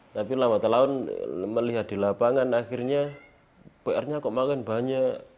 tapi lama tahun melihat di lapangan akhirnya pr nya kok makin banyak